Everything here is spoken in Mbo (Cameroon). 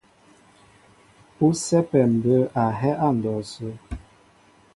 Ú sɛ́pɛ mbə̌ a hɛ́ á ndɔw sə́.